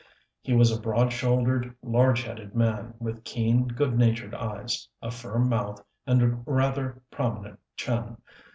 He was a broad shouldered large headed man, with keen, good natured eyes, a firm mouth, and rather prominent chin.